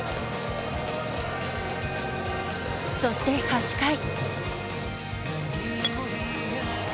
そして８回。